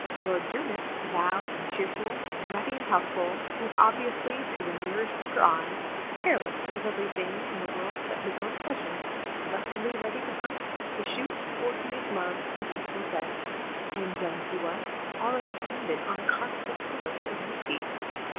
Lord Dermot, — loud and cheerful, ruddy and healthful, was obviously, to the merest looker on, careless of everything in the world but his own pleasure; lustily ready to hunt, to shoot, or to make love, with equal zest; and young as he was, already dependent on constant fillips of whiskey.